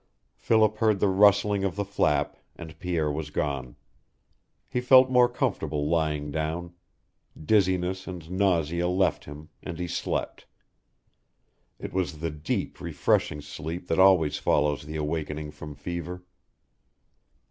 Philip heard the rustling of the flap, and Pierre was gone. He felt more comfortable lying down. Dizziness and nausea left him, and he slept. It was the deep, refreshing sleep that always follows the awakening from fever.